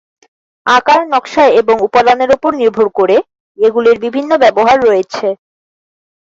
আকার, নকশা এবং উপাদানের উপর নির্ভর করে এগুলির বিভিন্ন ব্যবহার রয়েছে।